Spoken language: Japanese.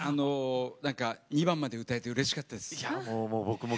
２番まで歌えてうれしかったです。